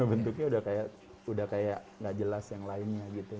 bentuknya udah kayak nggak jelas yang lainnya gitu